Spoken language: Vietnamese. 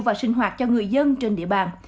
và sinh hoạt cho người dân trên địa bàn